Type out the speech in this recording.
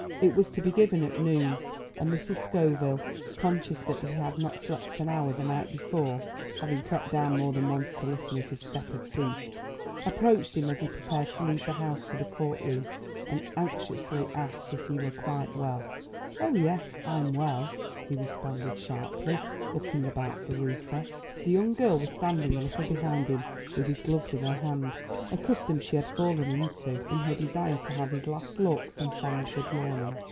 It was to be given at noon, and Mrs. Scoville, conscious that he had not slept an hour the night before (having crept down more than once to listen if his step had ceased), approached him as he prepared to leave the house for the court room, and anxiously asked if he were quite well. "Oh, yes, I'm well," he responded sharply, looking about for Reuther. The young girl was standing a little behind him, with his gloves in her hand a custom she had fallen into in her desire to have his last look and fond good morning.